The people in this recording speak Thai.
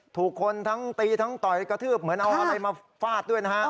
ถูกคนทั้งตีทั้งต่อยกระทืบเหมือนเอาอะไรมาฟาดด้วยนะฮะ